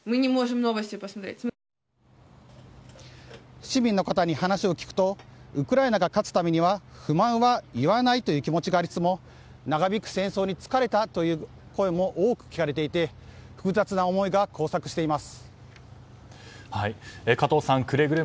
市民の方に話を聞くとウクライナが勝つためには不満は言わないという気持ちはありつつも長引く戦争に疲れたという声も多く聞かれていて複雑な思いが交錯しています。